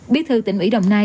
biết thư tỉnh mỹ đồng nai